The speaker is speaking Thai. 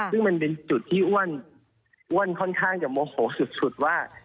ซึ่งมันเป็นจุดที่อ้วนค่อนข้างจะโมโหสุดว่า